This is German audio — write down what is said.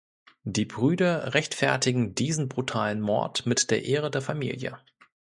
Die Brüder rechtfertigen diesen brutalen Mord mit der Ehre der Familie.